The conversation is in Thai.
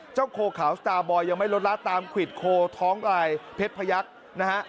โคขาวสตาร์บอยยังไม่ลดละตามควิดโคท้องอายเพชรพยักษ์นะฮะ